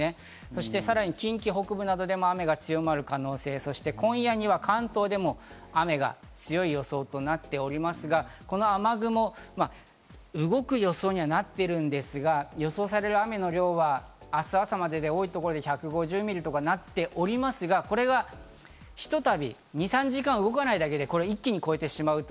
そしてさらに近畿北部などでも雨が強まる可能性、そして今夜には関東でも雨が強い予想となっておりますが、この雨雲、動く予想にはなっているんですが、予想される雨の量は明日朝までで多い所で１５０ミリとかになっておりますが、これがひとたび２３時間動かないだけで一気に超えてしまう。